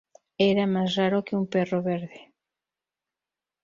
Era más raro que un perro verde